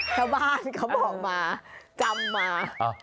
ชาวบ้านเขาบอกมาจำมา